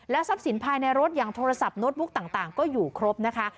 ทรัพย์สินภายในรถอย่างโทรศัพท์โน้ตบุ๊กต่างก็อยู่ครบนะคะ